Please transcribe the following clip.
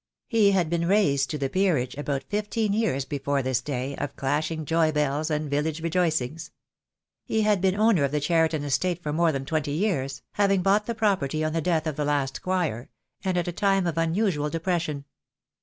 He had been raised to the peerage about fifteen years before this day of clashing joy bells and village rejoicings. He had been owner of the Cheriton estate for more than twenty years, having bought the property on the death of the last squire, and at a time of unusual depression.